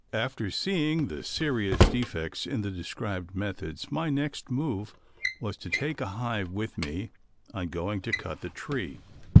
After seeing the serious defects in the described methods, my next move was to take a hive with me on going to cut the tree.